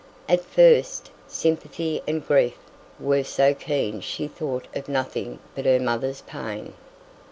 At first, sympathy and grief were so keen she thought of nothing but her mother's pain.